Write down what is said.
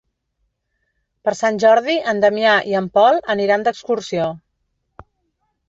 Per Sant Jordi en Damià i en Pol aniran d'excursió.